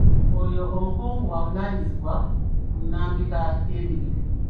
Oyo omukungu y'avunaanyizibwa ku nnambika y'emirimu.